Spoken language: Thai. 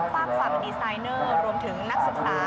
ฝากฝั่งดีไซเนอร์รวมถึงนักศึกษา